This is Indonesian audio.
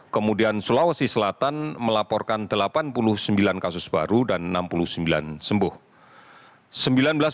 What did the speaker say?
kemudian sulawesi selatan melaporkan delapan puluh sembilan kasus baru dan enam puluh sembilan sembuh